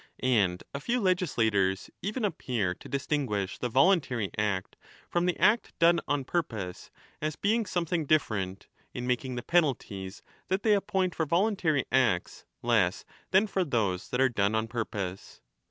And a few legislators, even, appear to distinguish the voluntary act from the act done on purpose as being something different, in making the penalties that they appoint for voluntary acts less than 5 for those that are done on purpose.